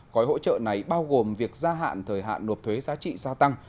gói hỗ trợ này bao gồm việc gia hạn thời hạn nộp thuế giá trị gia tăng